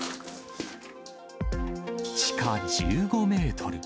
地下１５メートル。